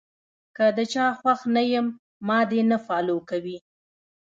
کۀ د چا خوښ نۀ يم ما دې نۀ فالو کوي -